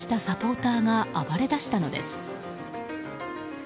激怒したサポーターが暴れ出したのです。